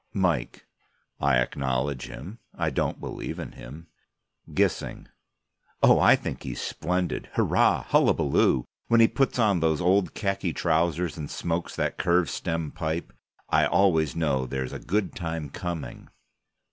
MIKE: I acknowledge Him. I don't believe in Him. GISSING: Oh, I think He's splendid. Hurrah! Hullabaloo! When He puts on those old khaki trousers and smokes that curve stem pipe I always know there's a good time coming.